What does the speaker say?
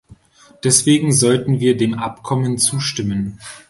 Deswegen sollten wir dem Abkommen zustimmen.